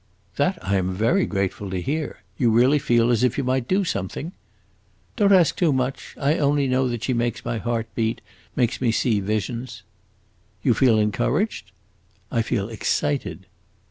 "That I am very grateful to hear. You really feel as if you might do something?" "Don't ask too much. I only know that she makes my heart beat, makes me see visions." "You feel encouraged?" "I feel excited."